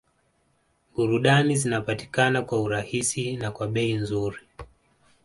Burudani zinapatikana kwa urahisi na kwa bei nzuri